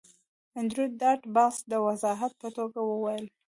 انډریو ډاټ باس د وضاحت په توګه وویل